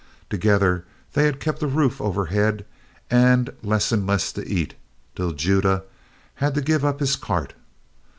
Together they had kept a roof overhead, and less and less to eat, till Judah had to give up his cart.